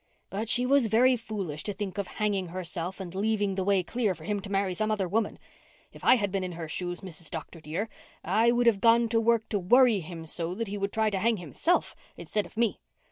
But she was very foolish to think of hanging herself and leaving the way clear for him to marry some other woman. If I had been in her shoes, Mrs. Dr. dear, I would have gone to work to worry him so that he would try to hang himself instead of me.